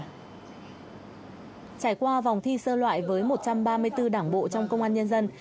trải qua vòng thi sơ loại với một trăm ba mươi bốn đảng bộ trong công an nhân dân